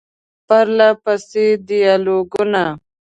پرله پسې ډیالوګونه ،